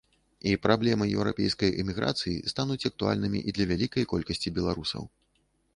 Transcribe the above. І праблемы еўрапейскай эміграцыі стануць актуальнымі і для вялікай колькасці беларусаў.